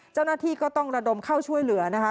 เจ้าหน้าที่ก็ต้องระดมเข้าช่วยเหลือนะคะ